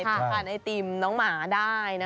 ผ่านไอติมน้องหมาได้นะครับ